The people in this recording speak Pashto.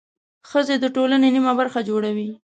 ښځې د ټولنې نميه برخه جوړوي.